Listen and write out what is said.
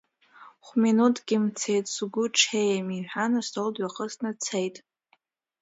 Хә-минуҭкгьы мҵит, сгәы ҽеим, иҳәан, астол дҩахыҵны дцеит!